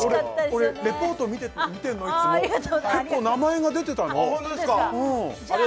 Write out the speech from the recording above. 俺レポート見てんのいつも結構名前が出てたのあっ